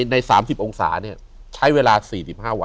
อยู่ที่แม่ศรีวิรัยิลครับ